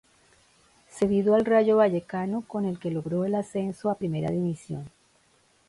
Cedido al Rayo Vallecano con el que logró el ascenso a Primera División.